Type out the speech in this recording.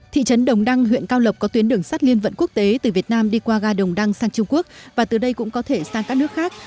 thị trấn đồng đăng huyện cao lộc có tuyến đường sắt liên vận quốc tế từ việt nam đi qua ga đồng đăng sang trung quốc và từ đây cũng có thể sang các nước khác